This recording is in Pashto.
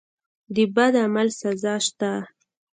د بد عمل سزا شته.